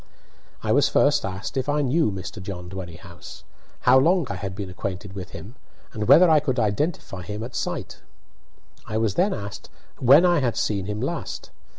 I was first asked if I knew Mr. John Dwerrihouse, how long I had been acquainted with him, and whether I could identify him at sight. I was then asked when I had seen him last.